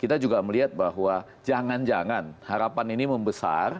kita juga melihat bahwa jangan jangan harapan ini membesar